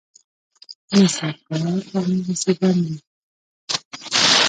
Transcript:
نه سيمکارټ امغسې بند دی.